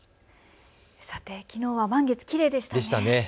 さて、きのうは満月、きれいでしたね。